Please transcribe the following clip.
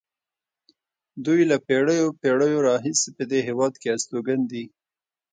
دوی له پېړیو پېړیو راهیسې په دې هېواد کې استوګن دي.